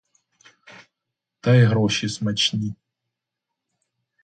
Та й гроші смачні.